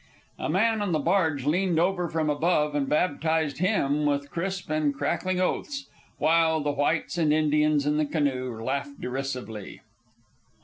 A man on the barge leaned over from above and baptized him with crisp and crackling oaths, while the whites and Indians in the canoe laughed derisively.